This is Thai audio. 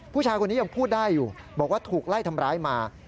ผู้ชายคนนี้ยังพูดได้อยู่บอกว่าถูกไล่ทำร้ายมา